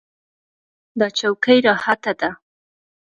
دا چوکۍ راحته ده.